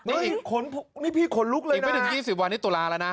นี่พี่ขนลุกเลยอีกไม่ถึง๒๐วันนี้ตุลาแล้วนะ